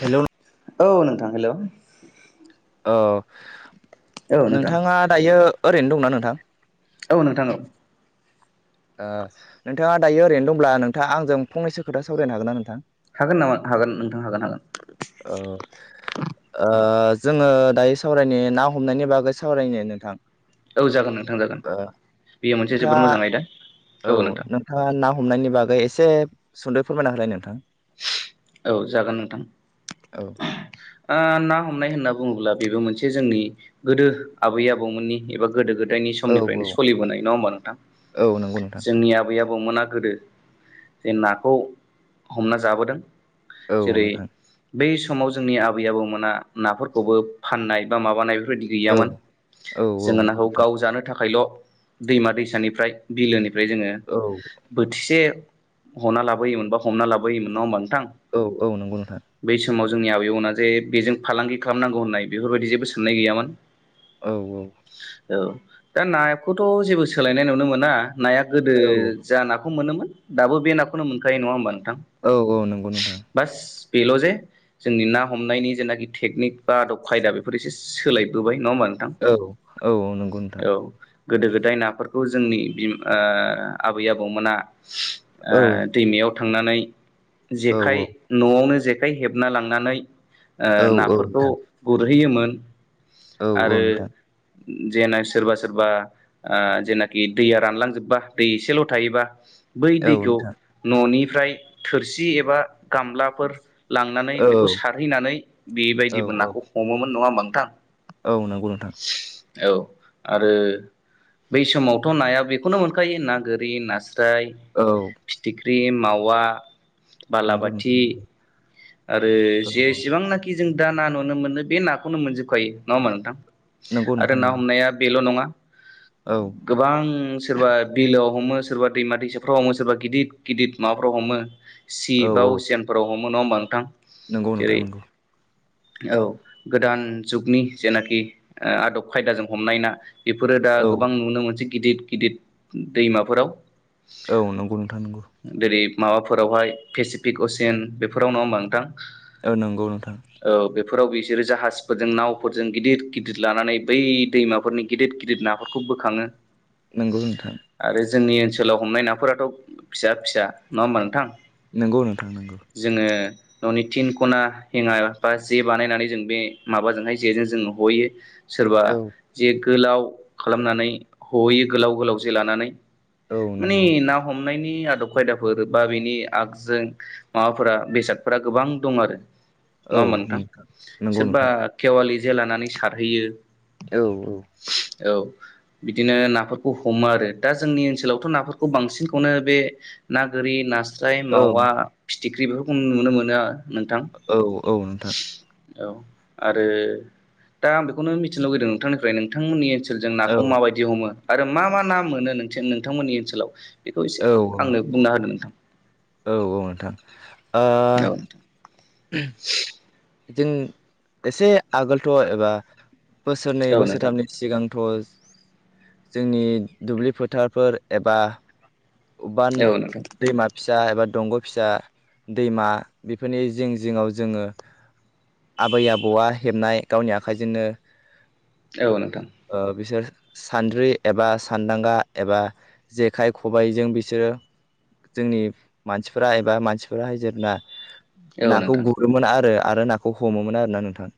Hello. औ नोंथां hello. औ औ नोंथां नोंथाङा दायो ओरैनो दंना नोंथां? औ नोंथां औ। ओ नोंथाङा दायो ओरैनो दंब्ला नोंथाङा आंजों फंनैसो खोथा सावरायनो हागोन ना नोंथां? हागोन नामा हागोन नोंथां हागोन हागोन ओ ओ जोङो दायो सावरायनाय ना हमनायनि बागै सावरायनायनि नोंथां। औ जागोन नोंथां जागोन ओ बेयो मोनसे जोबोद नोंथाङा मोजां आयदा। औ नोंथाङा ना हमनायनि बागै एसे सुंद'यै फोरमायना होलाय नोंथां। औ जागोन नोंथां। औ ओ ना हमनाय होनना बुङोब्ला बेबो मोनसे जोंनि गोदो आबै आबौमोननि एबा गोदो गोदायनि औ समनिफ्रायनो औ सलिबोनाय नङा होमबा नोंथां औ नंगौ नोंथां जोंनि आबै आबौमोना गोदो जे नाखौ हमना जाबोदों औ जेरै नोंथां बै समाव जोंनि आबै आबौ मोना नाफोरखौबो फाननाय बा माबानाय बेफोरबायदि औ गैयामोन औ औ जोङो नंगौ नाखौ नोंथां गाव जानो थाखायल' दैमा दैसानिफ्राय बिलोनिफ्राय जोङो औ बोथिसे हना हमना लाबोयोमोन बा हमना लाबोयोमोन नङा होमबा नोंथां औ औ नंगौ नोंथां बै समाव जोंनि आबैमोना जे बेजों फालांगि खालामनांगौ होननाय बेफोरबायदि जेबो साननाय गैयामोन। औ औ। औ दा नाखौथ' जेबो सोलायनाय नुनो मोना नाया गोदो औ जाना नाखौ मोनोमोन दाबो बे नाखौनो मोनखायो नङा होमबा नोंथां औ औ नंगौ नोंथां बास बेल' जे जोंनि ना हमनायनि जेनाखि टेकनिक बा आदब खायदा बेफोर एसे सोलायबोबाय। नङा होनबा नोंथां औ औ नंगौ नोंथां औ गोदो गोदाय नाफोर खौ जोंनि बिम ओ आबै आबौमोना ओ औ दैमायाव थांनानै औ जेखाइ न'आवनो जेखाइ हेबना लांनानै ओ औ औ नाफोरखौ नोंथां गुरहैयोमोन। औ औ आरो नोंथां। जेना सोरबा सोरबा आ जेनाखि दैया रानलांजोबबा दै एसेल' थायोबा बै औ दैखौ नोंथां न'निफ्राय थोरसि एबा गामलाफोर नानै औ बेखौ सारहैनानै औ बेबायदिबो औ नाखौ हमोमोन नङा होनबा नोंथां? औ नंगौ नोंथां। औ आरो बै समावथ' नाया बेखौनो मोनखायो ना गोरि नास्र याय औ फिथाय फिथिख्रि मावा नंगौ नोंथां बालाबाथि आरो औ औ जेसेबांनाखि जों दा ना नुनो मोनो बे नाखौनो मोनजोबखायो नङा होमबा नोंथां? नंगौ आरो नोंथां ना नंगौ हमनाया बेल' नङा औ गोबां सोरबा बिलाव हमो सोरबा दैमा दैसाफ्राव हमो सोरबा गिदिथ गिदिथ माबाफ्राव हमो सिप औ बा औ असिवानफोराव ह मो नङा होमबा नोंथां? नंगौ नोंथां नोंगौ। औ गोदान जुगनि जेनाखि ओ आदब खायदाजों हमनाय ना बेफोरो दा औ गोबां नुनो मोनसे गिदिद गिदिद दैमाफोराव औ नंगौ नोंथां नंगौ। जेरै माबाफोरावहाय पेसिफिक असियान बेफोराव नङा होमबा नोंथां? औ नंगौ नोंथां। फोराव बिसोरो जाहाजफोरजों नावफोरजों गिदिर गिदिर लानानै बै दैमाफोरनि गिदिर गिदिर नाफोरखौ बोखाङो। नंगौ नोंथां। आरो जोंनि ओनसोलाव हमनाय नाफोराथ फिसा फिसा नङा होमबा नोंथां नंगौ नोंथां नोंगौ जोङो ननि थिन खना हेङा बा जे बानायनानै जों बे माबाजोंहाय जेजों जों हयो सोरबा औ जे गोलाव खालामनानै हहैयो गोलाव गोलाव जे लानानै औ मानि नंगौ ना हमनायनि आदब खायदाफोर बा बिनि आगजों माबाफोरा बेसादफोरा गोबां दं आरो औ नङा मोनथां नोंथां नंगौ सोरबा नोंथां केवालि जे लानानै सारहैयो औ औ औ बिदिनो नाफोरखौ हमो आरो दा जोंनि ओनसोलावथ' नाफोरखौ बांसिनखौनो बे ना गोरि नास्राय औ मावा फिथिख्रि बेफोरखौ नुनो मोनो आ औ औ नोंथां औ आरो दा आं बेखौनो मिथिनो लुगैदों नोंथांनिफ्राय नोंथांमोननि ओनस- जों औ नाखौ माबायदि हमो आरो मा मा ना मोनो नोंथांमोननि ओनसोलाव बेखौ एसे औ आंनो बुंना होदो नोंथां औ औ नोंथां ओ औ जों एसे आगोलथ एबा बोसोरनै नोंथां बोसोरथामनि सिगांथ जोंनि दुब्लि फोथारफोर एबा बान औ नोंथां दैमा फिसा एबा दंग फिसा दैमा बेफोरनि जिं जिङाव जोङो आबै आबौआ हेबनाय गावनि आखाइजोंनो औ नोंथां ओ बिसोर सानद्रि एबा सानदांगा एबा जेखाइ खबाइजों बिसोर ओ जोंनि मानसिफोरा एबा मानसिफोराहाय जेरना औ नाखौ नोंथां गुरोमोन आरो आरो नाखौ हमोमोन आरो ना नोंथां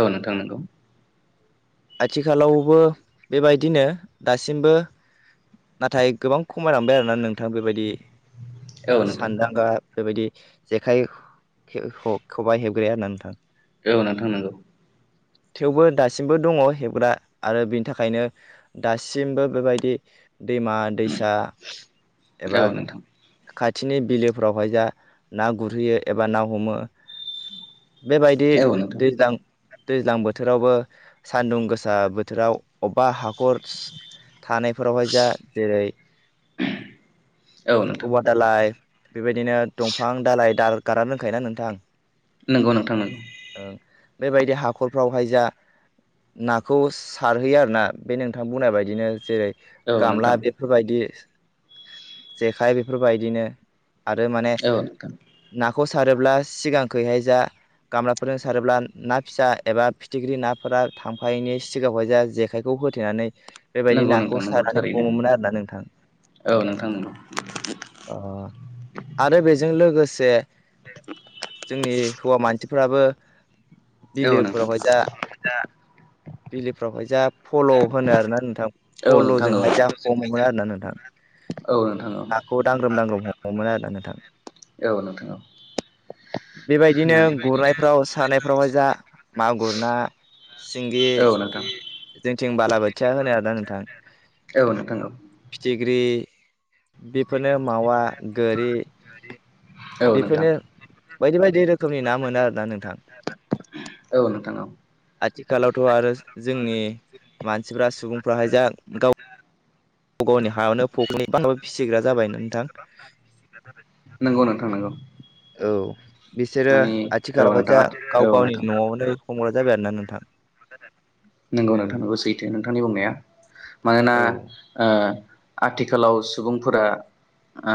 औ नोंथां नोंगौ आथिखालावबो बेबायदिनो दासिमबो नाथाय गोबां खमायलांबाय आरना नोंथां बेबायदि औ नोंथां सानदांगा बेबायदि जेखाइ खे ख खबाय हेबग्राया आरना नोंथां औ नोंथां नोंगौ थेवबो दासिमबो दङ हेबग्रा आरो बिन थाखायनो दासिमबो बेबायदि दैमा दैसा एबा औ नोंथां खाथिनि बिलोफोरावहाय जा ना गुरहैयो एबा ना हमो बेबायदि औ नोंथां दैज्लां दैज्लां बोथोरावबो सानदुं गोसा बोथोराव अबबा हाखर थानायफोरावहाय जा जेरै औ नोंथां एप बेबायदिनो दंफां दालाय दाल गारादोनखायो ना नोंथां नोंगौ नोंथां नोंगौ बेबायदि हाखरफ्रावहाय जा नाखौ सारहैयो आरना बे नोंथां बुंनाय बायदिनो जेरै औ गामला नोंथां बेफोरबायदि जेखाइ बेफोरबायदिनो आरो माने औ नोंथां ना ख सारोब्ला सिगांखैहाय जा गामलाफोरजों सारोब्ला ना फिसा एबा फिथिख्रि नाफोरा थांफायैनि सिगाङावहाय जा जेखायखौ होथेनानै बेबायदि नंगौ नोंथां नाखौ नंगौ सारनानै थारैनो हमोमोन आरोना नोंथां औ नोंथां नोंगौ ओ आरो बेजों लोगोसे जोंनि हौवा मानसिफ्राबो औ नोंथां बिलोफोरावहाय दा बिलोफ्रावहाय जा फल' होनो आरो ना नोंथां औ नोंथां फल'जोंहाय औ जा हमोमोन आरो ना नोंथां औ नोंथां औ नोंथां नाखौ दांग्रोम दांग्रोम हमोमोन आरना नोंथां औ नोंथां औ बेबायदिनो नोंथां गुरनायफ्राव सारनायफ्रावहाय जा मागुर ना सिंगि औ जोंथिं बालाबोथिया होनो आरना नोंथां फिथिख्रि बेफोरनो मावा गोरि नोंथां बेफोरनो बायदि बायदि रोखोमनि ना मोनो आरना नोंथां औ नोंथां औ आथिखालावथ' आरो जोंनि मानसिफ्रा सुबुंफ्राहाय जा गाव गाव गावनि हायावनो फख्रिनि [unintelligible] फिसिग्रा जाबायना नोंथां नंगौ नोंथां नंगौ औ बिसोरो माने औ आथिखालावहाय जा नोंथाङा गाव औ गावनि न'आवनो हमग्रा जाबाय आरना नोंथां [unintelligible] नोंगौ औ नोंथां नोंगौ सैथो नोंथांनि बुंनाया मानोना औ ओ आथिखालाव सुबुंफोरा ओ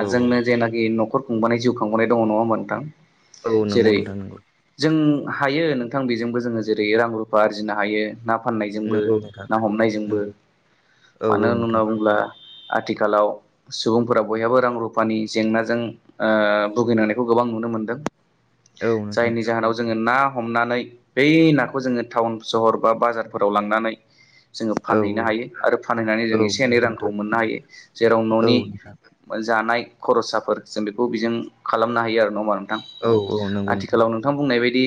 औ जेनाखि न'खर खुंबोनाय जिउ खांबोनाय दङ' नङा होमा नोंथां औ औ नंगौ जेरै नोंथां नंगौ जों हायो नोंथां बेजोंबो जोङो जेरै रां रुफा आरजिनो हायो ना फाननायजोंबो नंगौ नोंथां ना हमनायजोंबो नंगौ औ मानो औ होनना नोंथां बुङोब्ला आथिखालाव सुबुंफोरा बयहाबो रां रुफानि जेंनाजों ओ बुगिनांनायखौ गोबा बां नुनो मोनदों औ नोंथां जायनि जाहोनाव जोङो ना हमनानै बै नाख खौ जोङो थाउन सहर बा बाजारफोराव लांनानै जोङो औ फानहैनो हायो आरो फानहैनानै जों औ एसे एनै नंगौ रांखौ नोंथां मोननो हायो जेराव औ न'नि नोंथां जानाय खरसाफोर जों बेखौ बेजों खालामनो हायो आरो नमा नों थां औ औ नंगौ आथिखालाव नोंथां बुंनाय बाय दि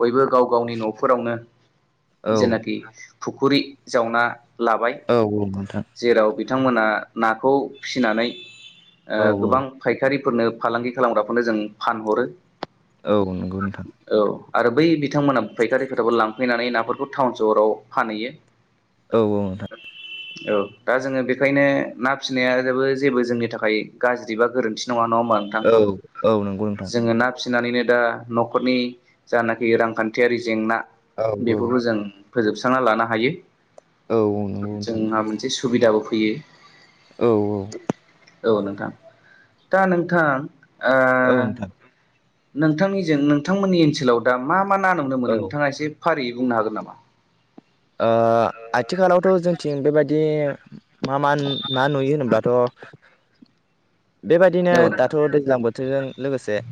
बयबो गाव गावनि न'फोरावनो औ जेनाखि फुखुरि जावना लाबाय औ नोंथां जेराव थांमोना नाखौ फिसिनानै ओ औ औ गोबां फायखारि फोरनो फालांगि खालामग्राफोरनो जों फानहरो औ नंगौ नोंथां औ आरो बै बिथांमोना फैनानै नाफोरखौ थाउन सहराव फानहैयो औ औ नोंथां औ दा जोङो बेखायनो ना फिसिनायाबो जेबो जोंनि थाखाय गाज्रि बा गोरोन्थि नङा नङा होमबा नोंथां औ औ नंगौ [unintelligible] नोंथां जोङो ना फिसिनानैनो दा न'खरनि जानाखि रांखान्थियारि जेंना औ बेफोरखौ जों फोजोबस्रांना लानो हायो औ औ नंगौ नोंथां जोंना मोनसे सुबिदाबो फैयो औ औ औ नोंथां दा नोंथां ओ औ नोथां नोंथांनिजों नोंथांमोननि ओनसोलाव दा मा-मा ना नुनो मोनो ओ नोंथाङा एसे फारियै बुंनो हागोन नामा? ओ आथिखालावथ' जोंथिं बेबायदि मा-मा ना नुयो होनोब्लाथ' बेबादिनो औ नोंथां दाथ' दैज्लां बोथोरजों लोगोसे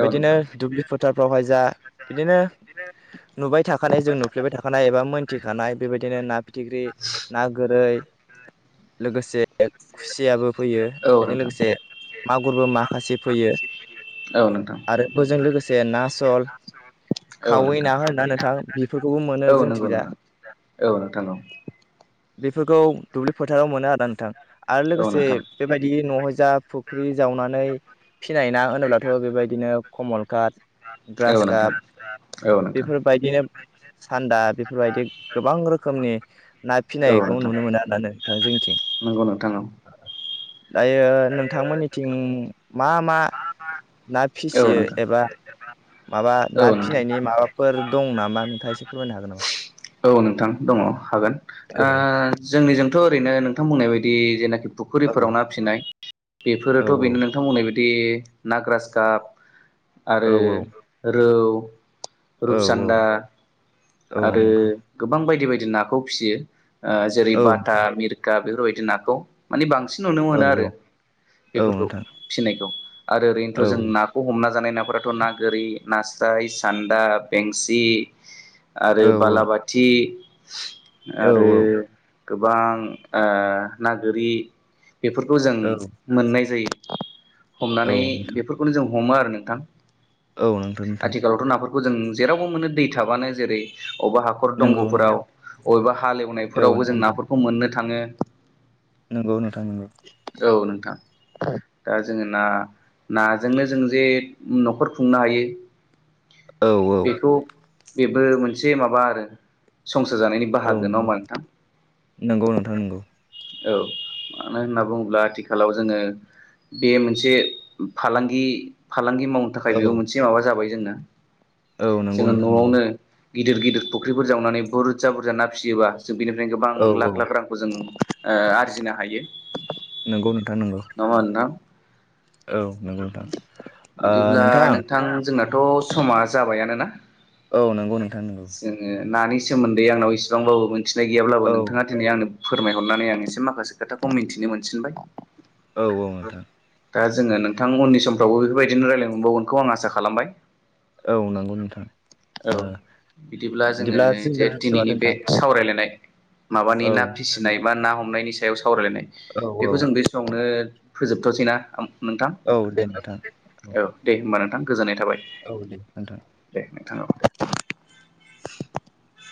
औ बिदिनो नोंथां दुब्लि फोथारफ्रावहाय जा बिदिनो नुबाय थाखानाय जों नुफ्लेबाय थाखानाय एबा मोनथिखानाय बेबायदिनो ना फिथिख्रि ना गोरै लोगोसे खुसियाबो फैयो औ बेजों नोंथां लोगोसे मागुरबो माखासे फैयो औ नोंथां औ नोंथां आरो बोजों लोगोस से ना सल औ नंगौ खावै ना होनना नोंथां बेफोरखौबो मोनो जों गौ नोंथां औ नोंथां औ। बेफोरखौ दुब्लि फोथाराव मोनो आदा नोंथां। आरो औ लोगोसे नोंथां बेबायदि न'हाय जा फुख्रि जावनानै फिनाय ना होनोब्लाथ' बेबायदिनो कमल काट औ ग्रास काप। नोंथां बेफोरबायदिनो सान्दा। बेफोरबायदि गोबां रोखोमनि ना औ फिनायखौ नुनो मोना आरोना नोंथां जोंनिथिं। नोथानाव। दायो नोंथांमोननिथिं मा-मा? ना औ फिसियो नोंथां एबा माबा ना औ फिनायनि नोंथां माबाफोर दं नामा नोंथाङा एसे फोरमायनो हागोन नामा? औ नोंथां दङ हागोन ओ जोंनि जों थ' ओरैनो नोंथां बुंनाय बायदि जेनाखि औ फुखुरिफोराव ना फिनाय औ बेफोरोथ' बेनो नोंथां मोनाय। बिदि ना ग्रास गाब आरो औ रौ। औ रुपसान्दा औ नंगौ औ आरो नोंथां गोबां बायदि बायदि नाखौ फिसियो। ओ जेरै बाटा मिरखा बेफोरबायदि नाखौ माने बांसिन नुनो औ मोनो आरो औ बेफोरखौ नोंथां फिनायखौ आरो औ ओरैनोथ' जों नाखौ हमना जानाय नाफोराथ' ना गोरि नास्राय सान्दा बेंसि आरो औ बालाबाथि औ आरो गोबां ओ ना गोरि बेफोरखौ जों मोननाय जायो औ हमनानै नोंथां बेफोरखौनो जों हमो आरो नोंथां औ नोंथां-नोंथां आथिखालावथ' नाफोरखौ जों जेरावबो मोनो दै थाबानो जेरै अबावबा हाखर नंगौ नंगौ दंग'फोराव अबेबा औ हालेवनायफोरावबो जों नाफोरखौ मोननो थाङो नोंगौ नोथां नोंगौ औ नोंथां दा जों ना नाजोंनो जों जे न'खर खुंनो हायो। औ औ बेखौ बेबो मोनसे माबा आरो संसार जानायनि बाहागो औ नंगौ नङाहोमबा नोंथां नंगौ नोंथां नंगौ औ मानो होनना बुङोब्ला आथिखाल आथिखालाव जोङो बे मोनसे फालांगि फालांगि मावनो थाखाय बेबो मोनसे माबा जाबाय जोंनो औ नंगौ नोंथां नंगौ गिदिर गिदिर फुख्रिफोर जावनानै बुरजा बुरजा फिसियोबा जों बेनिफ्रायनो गोबां औ लाख औ लाख रांखौ जों ओ आरजिनो हायो नोंगौ। नामा नोंथां औ नंगौ नोंथां बिदिब्ला नोंथां जोंना थ' समा जाबायानोना। औ नंगौ नोंथां नंगौ जोङो नानि सोमोन्दै आंनाव इसेबांबाबो मोनन्थिनाय गैयाब्लाबो औ नोंथाङा दिनै आंनो फोरमायहरनानै आं एसे माखासे खोथाखौ मिन्थिनो मोनसिनबाय औ औ नोंथां दा जोङो नोंथां उनि समफ्रावबो बेफोरबायदिनो रायज्लाय मोनबावगोनखौ आं आसा खालामबाय औ नंगौ नोंथां औ ओ बिदिब्ला जोङो जों जे दोनथ'नोसै नामा दिनैनि बे नोंथां सावरायलायनाय माबानि औ ना फिसिनाय एबा ना हमनायनि सायाव सावरायलायनाय औ औ बेखौ जों बे समावनो फोजोबथ'सैना नोंथां औ दे नोंथां औ दे हबा नोंथा औ दे होनद [unintelligible]